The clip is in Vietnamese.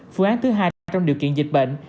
phương án hai trong điều kiện dịch bệnh